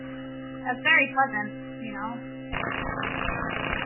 That's very pleasant, you know!